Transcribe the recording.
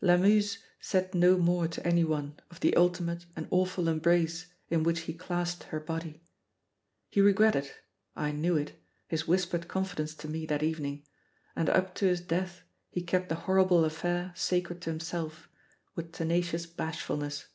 Lamuse said no more to any one of the ultimate and awful embrace in which he clasped her body. He regretted I knew it his whispered confidence to me that evening, and up to his death he kept the horrible affair sacred to himself, with tenacious bashfulness.